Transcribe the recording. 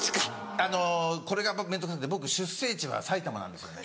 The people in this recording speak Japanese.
あのこれが面倒くさくて僕出生地は埼玉なんですよね。